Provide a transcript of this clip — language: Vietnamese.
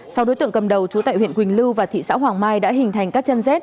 sau đối tượng cầm đầu trú tại huyện quỳnh lưu và thị xã hoàng mai đã hình thành các chân dết